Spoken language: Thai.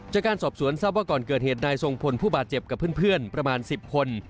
จากการสอบสวนทราบว่าก่อนเกิดเหตุนายทรงพลผู้บาดเจ็บกับเพื่อนประมาณ๑๐คน